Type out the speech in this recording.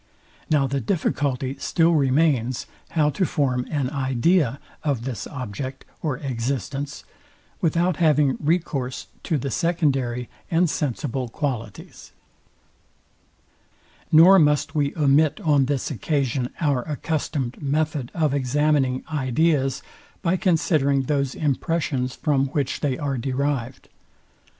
Now the difficulty still remains, how to form an idea of this object or existence, without having recourse to the secondary and sensible qualities. Part II. Sect. 4. Nor must we omit on this occasion our accustomed method of examining ideas by considering those impressions, from which they are derived.